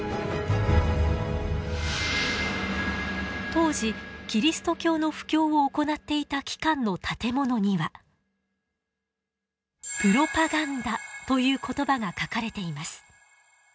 当時キリスト教の布教を行っていた機関の建物には「プロパガンダ」という言葉が書かれています。